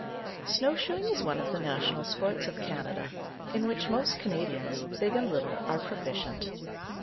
Snow shoeing is one of the national sports of Canada, in which most Canadians, big and little, are proficient.